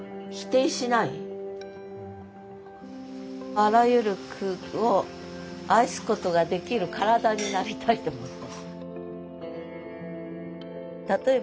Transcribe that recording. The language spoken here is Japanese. あらゆる句を愛すことができる体になりたいと思って。